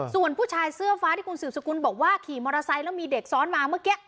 ส่วนผู้ชายเสื้อฟ้าที่คุณสืบสกุลบอกว่าขี่มอเตอร์ไซค์แล้วมีเด็กซ้อนมาเมื่อกี้